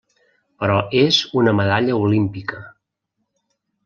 Però és una medalla olímpica.